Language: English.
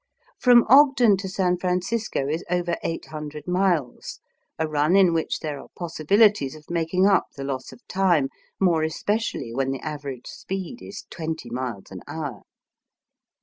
From Ogden to San Francisco is over eight hundred miles, a run in which there are possibilities of making up the loss of time, more especially when the average speed is twenty miles an hour.